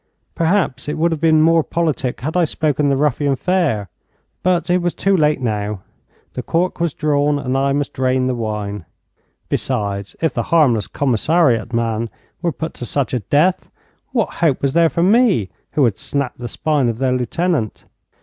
Perhaps it would have been more politic had I spoken the ruffian fair, but it was too late now. The cork was drawn and I must drain the wine. Besides, if the harmless commissariat man were put to such a death, what hope was there for me, who had snapped the spine of their lieutenant?